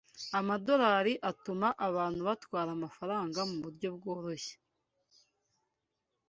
amadorali atuma abantu batwara amafaranga muburyo bworoshye